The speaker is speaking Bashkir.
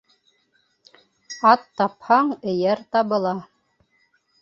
Ат тапһаң, эйәр табыла.